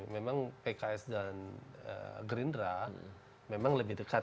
memang pks dan gerindra memang lebih dekat